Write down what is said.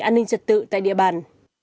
an ninh trật tự tại địa bàn